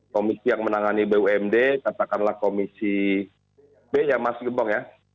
komisi yang menangani bumd katakanlah komisi b yang masih gebong ya